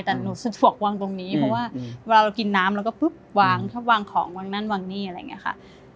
แต่หนูสุดฝวกวางตรงนี้เพราะว่าเวลาเรากินน้ำแล้วก็ปุ๊บวางชอบวางของวางนั่นวางนี่อะไรอย่างนี้ค่ะ